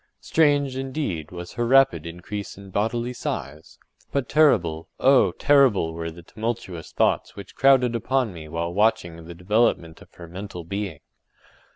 Strange, indeed, was her rapid increase in bodily size—but terrible, oh! terrible were the tumultuous thoughts which crowded upon me while watching the development of her mental being.